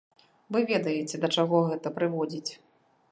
Вы ведаеце, да чаго гэта прыводзіць.